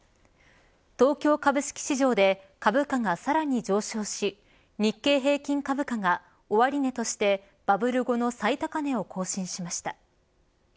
東京株式市場で株価がさらに上昇し日経平均株価が、終値としてバブル後の最高値を更新しました。